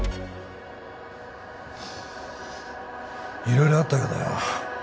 いろいろあったけどよ